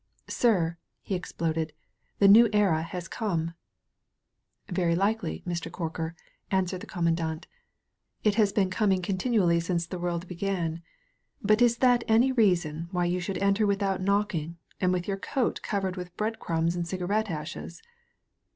"Sir/* he exploded, "the New Era has come/* "Very likely, Mr. Corker/' answered the Com mandant. "It has been coming continually since the world began. But is that any reason why you should enter without knocking, and with your coat covered with bread crumbs and cigarette ashes?"